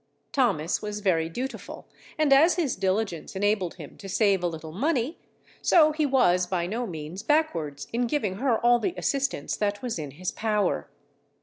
Thomas was very dutiful, and as his diligence enabled him to save a little money, so he was by no means backwards in giving her all the assistance that was in his power.